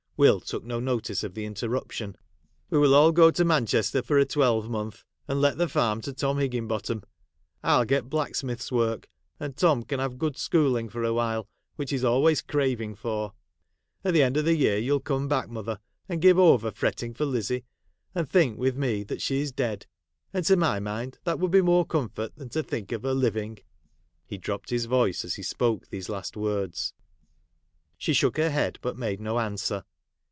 Will took no notice of the interruption. ' We will all go to Manchester for a twelve month, and let the farm to Tom Higginbotham. I '11 get blacksmith's work ; and Tom can have good schooling for awhile, which he 's always craving for. At the end of the year you '11 come back, mother, and give over fretting for Lizzie, and think with me that she is dead, — and, to my mind, that would be more comfort than to think of her living ;' he dropped his voice as he spoke these last words. She shook her head, but made no answer.